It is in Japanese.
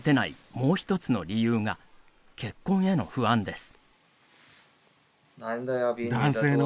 もう一つの理由が結婚への不安です。